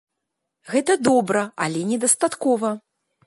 Гэта добра, але недастаткова!